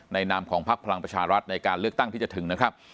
นามของพักพลังประชารัฐในการเลือกตั้งที่จะถึงนะครับ